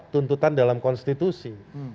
tuntutan dalam konstitusi